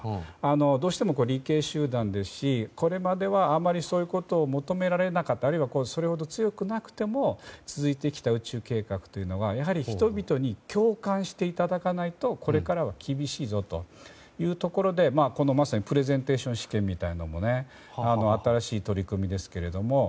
どうしても理系集団ですしこれまではあまりそういうことを求められなかったあるいはそれほど強くなくても続いてきた宇宙計画というのを人々に共感していただかないとこれからは厳しいぞというところでまさにプレゼンテーション試験みたいなのは新しい取り組みですけども。